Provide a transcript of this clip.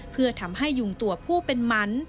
เพื่อทำให้ยุงตัวผู้เป็นมัน